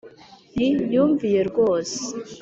Nti: yumviye rwose